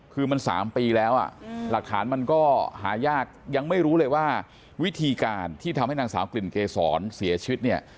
คือมัน๓ปีแล้วหลักฐานมันก็หายากยังไม่รู้เลยว่าวิธีการที่ทำให้นางสาวกลิ่นเกษรเสียชีวิตเนี่ย